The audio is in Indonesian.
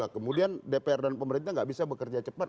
kemudian dpr dan pemerintah nggak bisa bekerja cepat